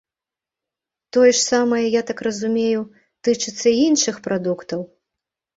Тое ж самае, я так разумею, тычыцца і іншых прадуктаў?